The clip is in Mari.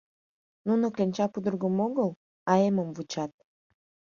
Нуно кленча пудыргым огыл, а эмым вучат.